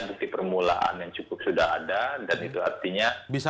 bukti permulaan yang cukup sudah ada